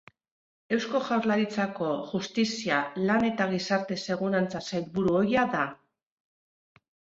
Eusko Jaurlaritzako Justizia, Lan eta Gizarte Segurantza sailburu ohia da.